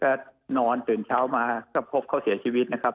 ก็นอนตื่นเช้ามาก็พบเขาเสียชีวิตนะครับ